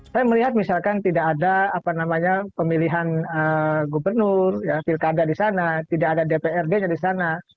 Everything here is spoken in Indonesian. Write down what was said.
saya melihat misalkan tidak ada pemilihan gubernur pilkada di sana tidak ada dprd nya di sana